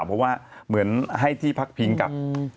เพราะว่าเหมือนให้ที่พักพิงกับ